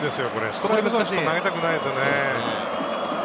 ストライク投げたくないですよね。